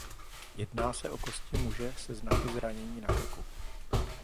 Jedná se o kosti muže se znaky zranění na krku.